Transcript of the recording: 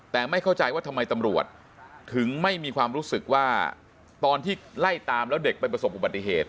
แต่ไม่เข้าใจว่าทำไมตำรวจถึงไม่มีความรู้สึกว่าตอนที่ไล่ตามแล้วเด็กไปประสบอุบัติเหตุ